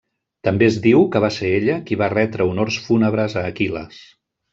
També es diu que va ser ella qui va retre honors fúnebres a Aquil·les.